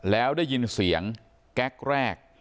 แล้วได้ยินเสียงแก๊กแรก